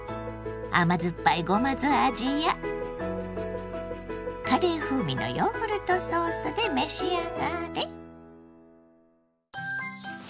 甘酸っぱいごま酢味やカレー風味のヨーグルトソースで召し上がれ。